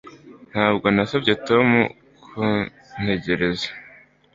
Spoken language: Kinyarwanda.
Ntabwo nasabye Tom kuntegereza